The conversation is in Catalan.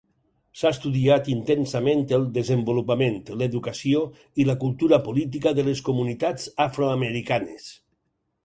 S'ha estudiat intensament el desenvolupament, l'educació i la cultura política de les comunitats afroamericanes.